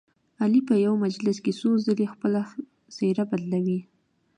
علي په یوه مجلس کې څو ځلې خپله څهره بدلوي.